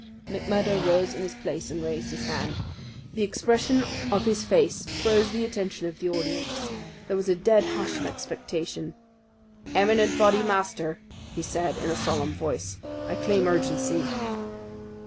McMurdo rose in his place and raised his hand. The expression of his face froze the attention of the audience. There was a dead hush of expectation. "Eminent Bodymaster," he said, in a solemn voice, "I claim urgency!"